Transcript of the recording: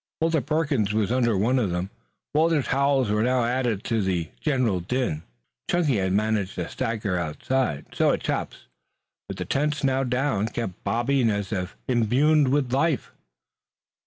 Walter Perkins was under one of them. Walter's howls were now added to the general din. Chunky had managed to stagger outside. So had Chops; but the tents, now down, kept bobbing as if imbued with life.